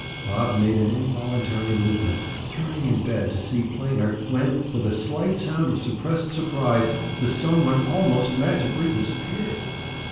Bob made an involuntary movement, turning in bed to see plainer, when with a slight sound of suppressed surprise, the some one almost magically disappeared.